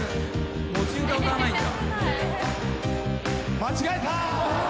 「間違えた」